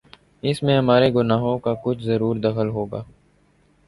اس میں ہمارے گناہوں کا کچھ ضرور دخل ہو گا۔